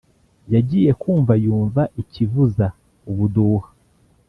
yagiye kumva yumva ikivuza ubuduha